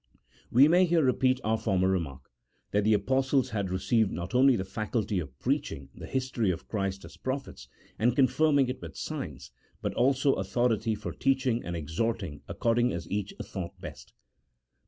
We may here repeat our former remark, that the Apostles had received not only the faculty of preaching the history of Christ as prophets, and confirming it with signs, but also authority for teaching and exhorting according as each thought best.